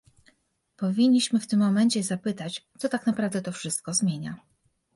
Powinniśmy w tym momencie zapytać, co tak naprawdę to wszystko zmienia